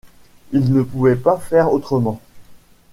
Il ne pouvait pas faire autrement.